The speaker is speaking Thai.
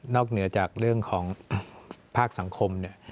นอกเหนือจากเรื่องของภาคสังคม